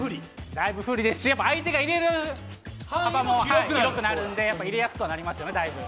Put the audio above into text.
だいぶ不利ですし、相手が入れる幅も広くなるんでだいぶ入れやすくはなりますよね。